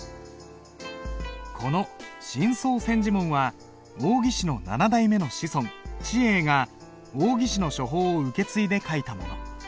この「真草千字文」は王羲之の７代目の子孫智永が王羲之の書法を受け継いで書いたもの。